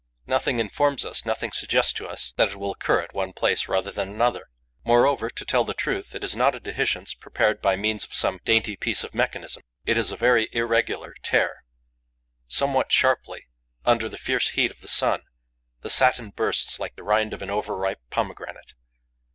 Nothing informs us, nothing suggests to us that it will occur at one place rather than another. Moreover, to tell the truth, it is not a dehiscence prepared by means of some dainty piece of mechanism; it is a very irregular tear. Somewhat sharply, under the fierce heat of the sun, the satin bursts like the rind of an over ripe pomegranate.